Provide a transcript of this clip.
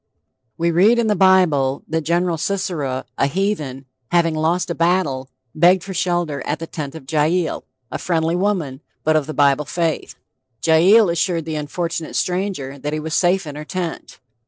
We read in the Bible that Gen. Sisera, a heathen, having lost a battle, begged for shelter at the tent of Jael, a friendly woman, but of the Bible faith. Jael assured the unfortunate stranger that he was safe in her tent.